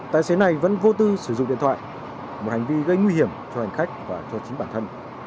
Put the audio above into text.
tài xế này vẫn vô tư sử dụng điện thoại một hành vi gây nguy hiểm cho hành khách và cho chính bản thân